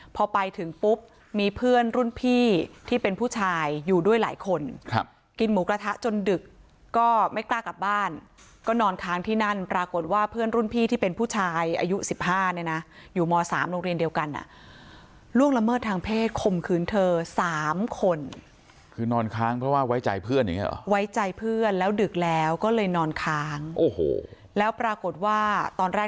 พอไปถึงปุ๊บมีเพื่อนรุ่นพี่ที่เป็นผู้ชายอยู่ด้วยหลายคนครับกินหมูกระทะจนดึกก็ไม่กล้ากลับบ้านก็นอนค้างที่นั่นปรากฏว่าเพื่อนรุ่นพี่ที่เป็นผู้ชายอายุ๑๕เนี่ยนะอยู่ม๓โรงเรียนเดียวกันอ่ะล่วงละเมิดทางเพศคมคืนเธอ๓คนคือนอนค้างเพราะว่าไว้ใจเพื่อนอย่างนี้หรอไว้ใจเพื่อนแล้วดึกแล้วก็เลยนอนค้างโอ้โหแล้วปรากฏว่าตอนแรก